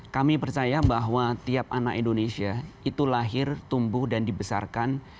kami percaya bahwa tiap anak indonesia itu lahir tumbuh dan dibesarkan